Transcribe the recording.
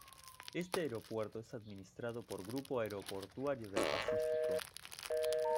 Este aeropuerto es administrado por Grupo Aeroportuario del Pacífico.